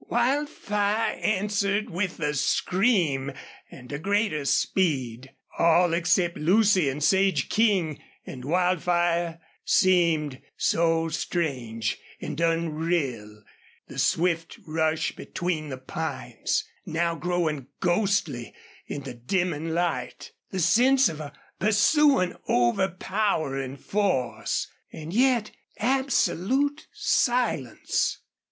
Wildfire answered with a scream and a greater speed. All except Lucy and Sage King and Wildfire seemed so strange and unreal the swift rush between the pines, now growing ghostly in the dimming light, the sense of a pursuing, overpowering force, and yet absolute silence.